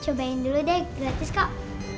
cobain dulu deh gratis kak